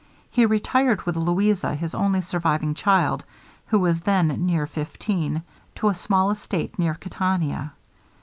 He retired with Louisa, his only surviving child, who was then near fifteen, to a small estate near Cattania.